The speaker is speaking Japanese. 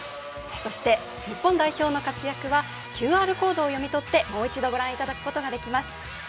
そして日本代表の活躍はＱＲコードを読み取ってもう一度ご覧いただくことができます。